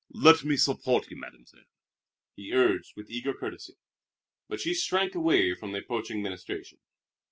"Let me support you, Mademoiselle," he urged with eager courtesy. But she shrank away from the approaching ministration.